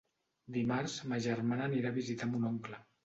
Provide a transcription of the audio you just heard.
Dimarts ma germana anirà a visitar mon oncle.